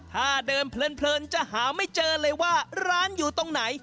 ถ้าเดินเพลินจะหาไม่เจอเลยว่าร้านอยู่ตรงไหน